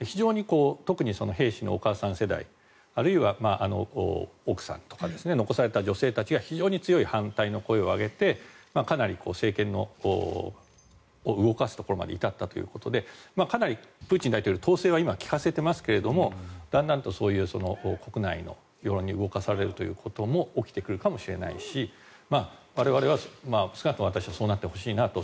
特に兵士のお母さん世代あるいは奥さんとか残された女性たちが非常に強い反対の声を上げてかなり政権を動かすところまで至ったというところでかなりプーチン大統領は統制は今、利かせていますがだんだんと国内の世論に動かされるということも起きてくるかもしれないし我々は少なくとも私はそうなってほしいなと。